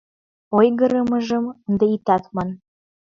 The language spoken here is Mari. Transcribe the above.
— Ойгырымыжым ынде итат ман.